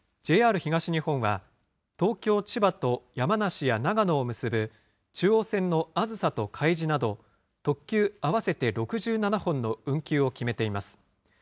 ＪＲ東日本は、東京、千葉と山梨や長野を結ぶ、中央線のあずさとかいじなど、特急合わせて６７本の運休を決めています。